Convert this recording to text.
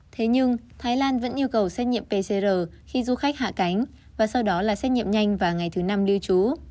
thế nhưng thái lan vẫn yêu cầu xét nghiệm pcr khi du khách hạ cánh và sau đó là xét nghiệm nhanh vào ngày thứ năm lưu trú